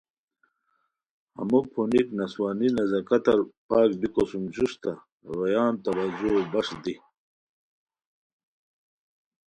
ہمو پھونیک نسوانی نزاکتار پاک بیکو سُم جوستہ رویان توجہو بݰ دی